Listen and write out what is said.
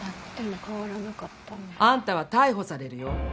あんたは逮捕されるよ。